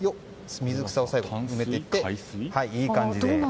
水草を最後、埋めていっていい感じです。